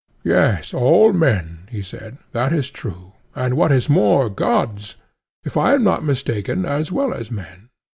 Yes, all men, he said—that is true; and what is more, gods, if I am not mistaken, as well as men.